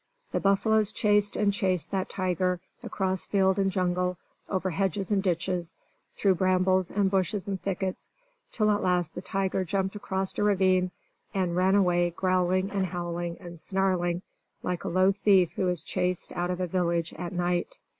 The buffaloes chased and chased that tiger, across field and jungle, over hedges and ditches, through brambles and bushes and thickets, till at last the tiger jumped across a ravine and ran away growling and howling and snarling, like a low thief who is chased out of a village at night.